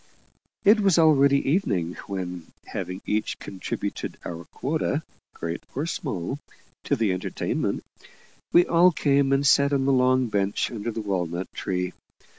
It was already evening, when, having each contributed our quota, great or small, to the entertainment, we all came and sat on the long bench under the walnut tree.